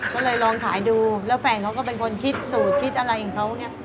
ก็เลยลองขายดูแล้วแฟนเขาก็เป็นคนคิดสูตรคิดอะไรของเขาเนี่ย